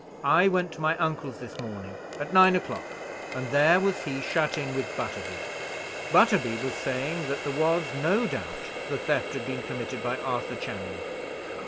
I went into my uncle's, this morning, at nine o'clock, and there was he, shut in with Butterby. Butterby was saying that there was no doubt the theft had been committed by Arthur Channing.